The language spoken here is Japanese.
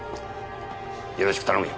よろしく頼むよ。